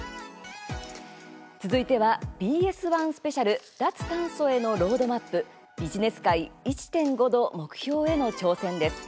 続いては、ＢＳ１スペシャル「脱炭素へのロードマップビジネス界１．５℃目標への挑戦」です。